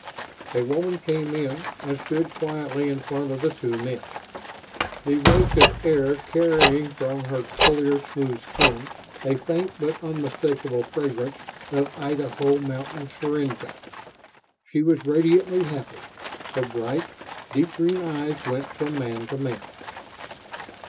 A woman came in and stood quietly in front of the two men, the wafted air carrying from her clear, smooth skin a faint but unmistakable fragrance of Idaho mountain syringa. She was radiantly happy; her bright, deep green eyes went from man to man.